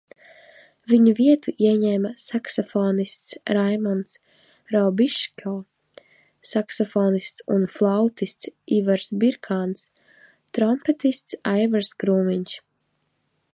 Viņu vietu ieņēma saksofonists Raimonds Raubiško, saksofonists un flautists Ivars Birkāns, trompetists Aivars Krūmiņš.